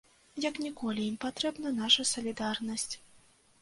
Як ніколі ім патрэбна наша салідарнасць.